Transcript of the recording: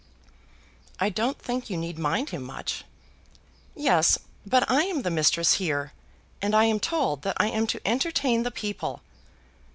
"I don't think you need mind him much." "Yes; but I am the mistress here, and am told that I am to entertain the people.